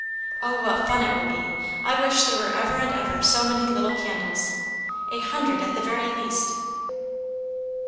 Oh, what fun it will be! I wish there were ever and ever so many little candles, a hundred, at the very least!"